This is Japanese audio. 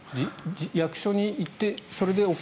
役所に行ってそれでＯＫ？